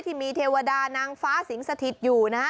ที่มีเทวดานางฟ้าสิงสถิตอยู่นะฮะ